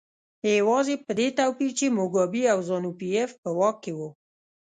یوازې په دې توپیر چې موګابي او زانو پي ایف په واک کې وو.